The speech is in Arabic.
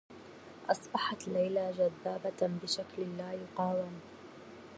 أصبحت ليلى جذّابة بشكل لا يقاوم.